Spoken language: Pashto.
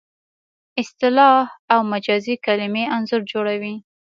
اصطلاح او مجازي کلمې انځور جوړوي